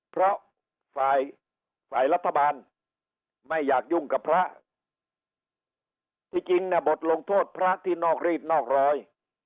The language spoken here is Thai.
เพราะฝ่ายฝ่ายรัฐบาลไม่อยากยุ่งกับพระที่จริงเนี่ยบทลงโทษพระที่นอกรีดนอกรอย